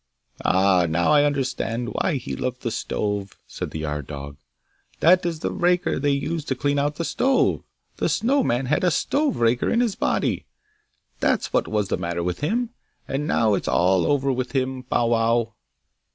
'Ah! now I understand why he loved the stove,' said the yard dog. 'That is the raker they use to clean out the stove! The Snow man had a stove raker in his body! That's what was the matter with him! And now it's all over with him! Bow wow!